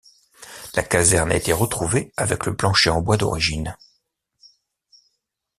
La caserne a été retrouvée avec le plancher en bois d'origine.